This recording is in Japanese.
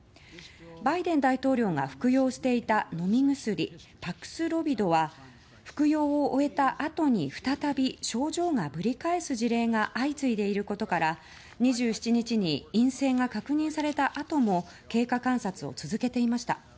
バイデン大統領が服用していた飲み薬パクスロビドは服用を終えたあとに再び症状がぶり返す事例が相次いでいることから２７日に陰性が確認されたあとも経過観察を続けていました。